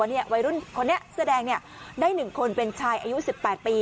ตอนนี้เสื้อแดงได้๑คนเป็นชายอายุ๑๘ปี